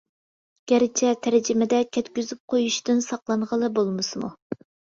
گەرچە تەرجىمىدە كەتكۈزۈپ قويۇشتىن ساقلانغىلى بولمىسىمۇ.